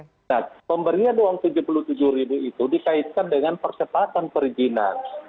nah pemberian uang rp tujuh puluh tujuh itu dikaitkan dengan percepatan perizinan